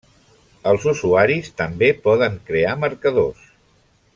Els usuaris també poden crear marcadors.